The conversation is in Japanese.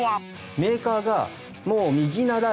メーカーがもう右倣え。